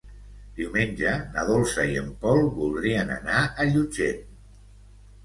Diumenge na Dolça i en Pol voldrien anar a Llutxent.